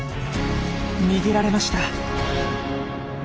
逃げられました。